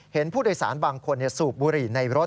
เห็นผู้โดยสารบางคนสูบบุหรี่ในรถ